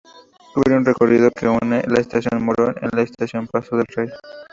Cubre un recorrido que une la estación Morón con la estación Paso del Rey.